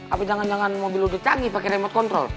tapi jangan jangan mobil udah canggih pakai remote control